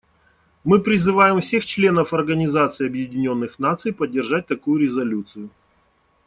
Мы призываем всех членов Организации Объединенных Наций поддержать такую резолюцию.